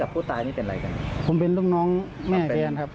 ผมเป็นลูกน้องแม่แกนครับ